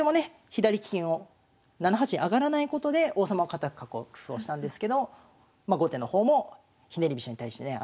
左金を７八に上がらないことで王様を堅く囲う工夫をしたんですけど後手の方もひねり飛車に対してね